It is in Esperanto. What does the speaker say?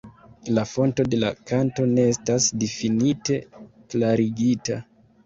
La fonto de la kanto ne estas definitive klarigita.